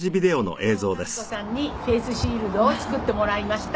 かとうかず子さんにフェースシールドを作ってもらいました」